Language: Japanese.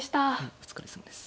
お疲れさまです。